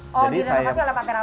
oh direnovasi oleh pak terawan